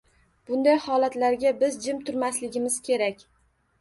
Bunday holatlarga biz jim turmasligimiz kerak.